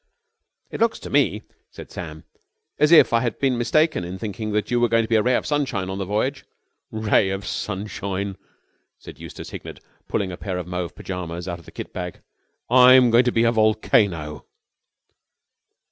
"It looks to me," said Sam, "as if I had been mistaken in thinking that you were going to be a ray of sunshine on the voyage." "Ray of sunshine!" said Eustace Hignett, pulling a pair of mauve pyjamas out of the kit bag. "I'm going to be a volcano!"